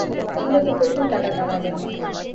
তাহলে তো প্রচুর টাকা কামাবেন।